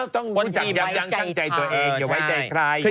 ต้องรู้จักอย่างคะงใจตัวเองอย่าไว้ใจใคร